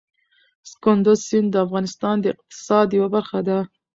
کندز سیند د افغانستان د اقتصاد یوه برخه ده.